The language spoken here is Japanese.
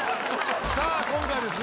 さあ今回はですね